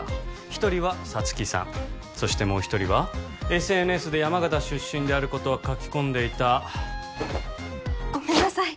一人は沙月さんそしてもう一人はＳＮＳで山形出身であることを書き込んでいたごめんなさい